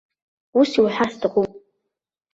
Ус иуҳәар сҭахуп.